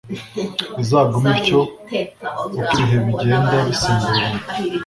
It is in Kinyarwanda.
izagume ityo, uko ibihe bigenda bisimburana.